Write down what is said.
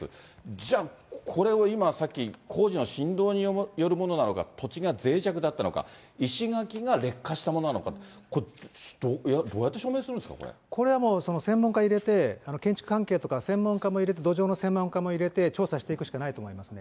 じゃあ、これを今、さっき工事の振動によるものなのか、土地がぜい弱だったのか、石垣が劣化したものなのか、どうやって証明するんですか、これはもう、専門家入れて、建築関係とか、専門家とか入れて、土壌の専門家も入れて調査していくしかないと思いますね。